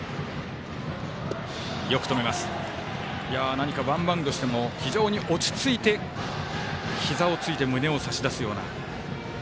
何かワンバウンドしても非常に落ち着いてひざをついて胸を差し出すような。